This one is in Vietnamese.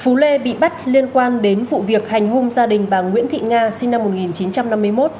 phú lê bị bắt liên quan đến vụ việc hành hung gia đình bà nguyễn thị nga sinh năm một nghìn chín trăm năm mươi một